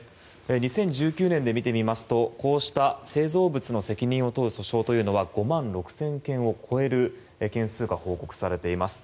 ２０１９年で見てみますとこうした製造物の責任を問う訴訟は５万６０００件を超える件数が報告されています。